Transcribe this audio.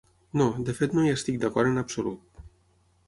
No, de fet no hi estic d'acord en absolut.